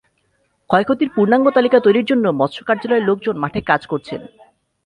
ক্ষয়ক্ষতির পূর্ণাঙ্গ তালিকা তৈরির জন্য মৎস্য কার্যালয়ের লোকজন মাঠে কাজ করছেন।